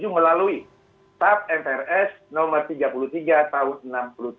melalui tap mprs nomor tiga puluh tiga tahun seribu sembilan ratus enam puluh tujuh